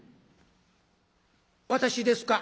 「私ですか？